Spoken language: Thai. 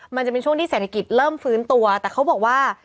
มันจะเป็นช่วงที่เศรษฐกิจเริ่มฟื้นตัวแต่เขาบอกว่า